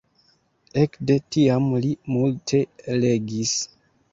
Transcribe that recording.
Ekde tiam li multe legis.